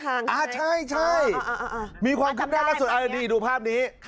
อ่าใช่มีความคำได้ล่ะดูภาพนี้